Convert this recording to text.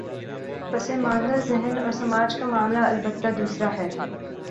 پس ماندہ ذہن اور سماج کا معاملہ البتہ دوسرا ہے۔